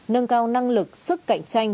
nâng cao năng lực sức cạnh tranh